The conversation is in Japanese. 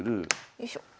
よいしょ。